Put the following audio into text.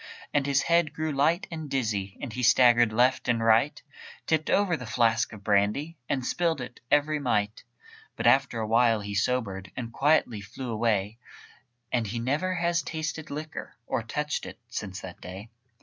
And his head grew light and dizzy, And he staggered left and right, Tipped over the flask of brandy, And spilled it, every mite. But after awhile he sobered, And quietly flew away, And he never has tasted liquor, Or touched it, since that day.